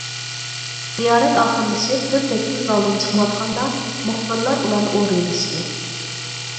زىيارەت ئاخىرلىشىپ تۆت ۋەكىل زالدىن چىقىۋاتقاندا، مۇخبىرلار ئۇلارنى ئورىۋېلىشتى.